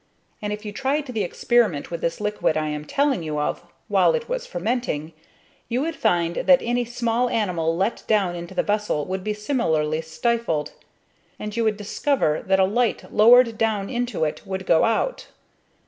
And if you tried the experiment with this liquid I am telling of while it was fermenting, you would find that any small animal let down into the vessel would be similarly stifled; and you would discover that a light lowered down into it would go out.